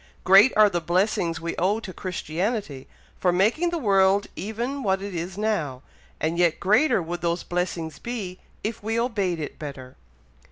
Great are the blessings we owe to Christianity, for making the world even what it is now, and yet greater would those blessings be, if we obeyed it better."